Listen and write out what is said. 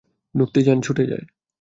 ঢুকতে জান ছুটে যায়।